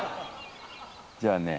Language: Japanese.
じゃあね